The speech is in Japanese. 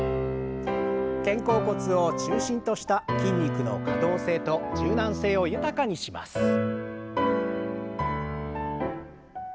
肩甲骨を中心とした筋肉の可動性と柔軟性を豊かにします。